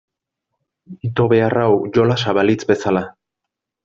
Ito behar hau jolasa balitz bezala.